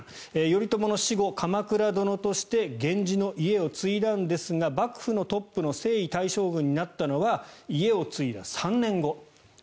頼朝の死後、鎌倉殿として源氏の家を継いだんですが幕府のトップの征夷大将軍になったのは家を継いだ３年後。